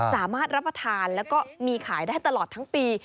รับประทานแล้วก็มีขายได้ตลอดทั้งปี